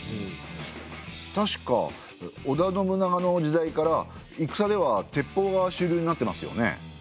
確か織田信長の時代から戦では鉄砲が主流になってますよね。